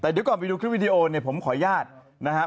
แต่เดี๋ยวก่อนไปดูคลิปวิดีโอเนี่ยผมขออนุญาตนะครับ